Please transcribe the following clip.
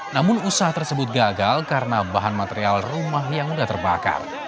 namun usaha tersebut gagal karena bahan material rumah yang sudah terbakar